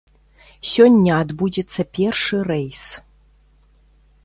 Сёння адбудзецца першы рэйс.